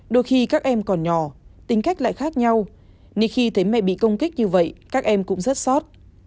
đôi khi các em còn nhỏ tính cách lại khác nhau nên khi thấy mẹ bị công kích như vậy các em cũng rất xót